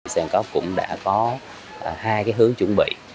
sàn cóc cũng đã có hai hướng chuẩn bị